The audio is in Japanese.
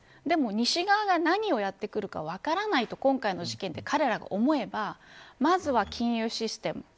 でも、西側が何をやってくるか分からないと今回の事件で彼らが思えばまずは金融システム。